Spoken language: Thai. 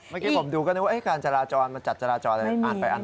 เมื่อกี้ผมดูก็นึกว่าการจราจรมันจัดจราจรอะไรอ่านไปอ่าน